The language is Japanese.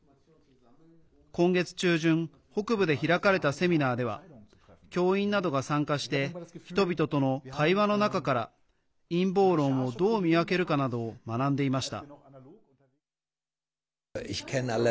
今月中旬北部で開かれたセミナーでは教員などが参加して人々との会話の中から陰謀論を、どう見分けるかなどを学んでいました。